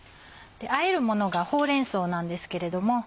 あえるものがほうれん草なんですけれども。